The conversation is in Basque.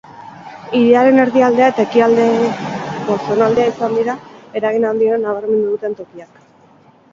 Hiriaren erdialdea eta ekialdeko zonaldea izan dira eragin handiena nabarmendu duten tokiak.